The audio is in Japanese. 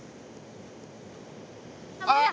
あっ！